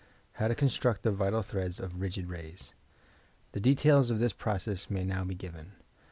HOW TO CONSTRUCT THE VITAL THREADS OB "bIOID SATS" The details of this process may now be given.